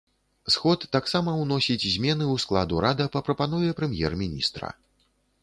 Сход таксама ўносіць змены ў склад урада па прапанове прэм'ер-міністра.